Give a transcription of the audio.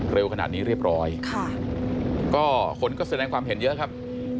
เร็วขนาดนี้เรียบร้อยค่ะก็คนก็แสดงความเห็นเยอะครับ